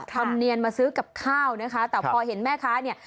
ธรรมเนียนมาซื้อกับข้าวนะคะแต่พอเห็นแม่ค้าเนี่ย